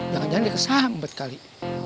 jangan jangan dia kesahambat kali